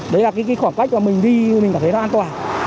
đấy là cái khoảng cách mà mình đi mình cảm thấy nó an toàn